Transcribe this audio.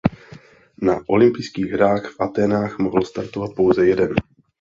Na olympijských hrách v Athénách mohl startovat pouze jeden.